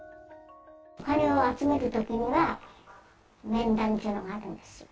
お金を集めるときには、面談というのがあるんです。